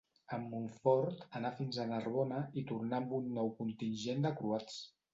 En Montfort anà fins a Narbona i tornà amb un nou contingent de croats.